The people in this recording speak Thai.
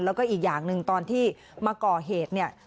แล้วก็อีกอย่างหนึ่งตอนที่มาก่อเหตุเนี่ย